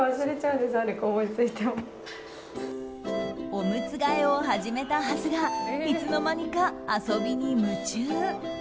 おむつ替えを始めたはずがいつの間にか遊びに夢中。